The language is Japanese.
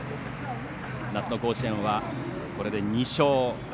夏の甲子園は、これで２勝。